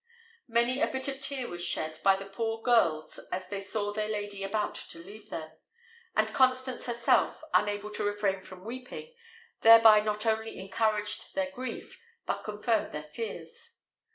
Many a bitter tear was shed by the poor girls as they saw their lady about to leave them: and Constance herself, unable to refrain from weeping, thereby not only encouraged their grief, but confirmed their fears.